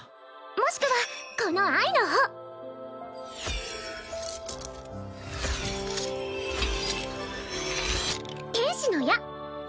もしくはこの愛の方天使の矢